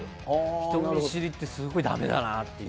人見知りってすごいだめだなあっていう。